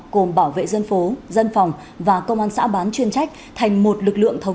gồm bảo vệ dân phố dân phòng